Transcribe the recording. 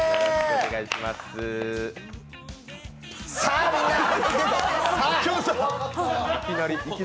さあみんな！